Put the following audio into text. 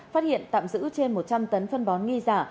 phát hiện tạm giữ trên một trăm linh tấn phân bón nghi giả